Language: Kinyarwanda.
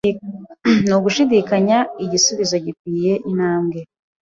Nugushidikanya Igisubizo gikwiye Intambwe